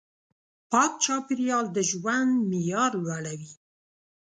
پاک چاپېریال د ژوند معیار لوړوي.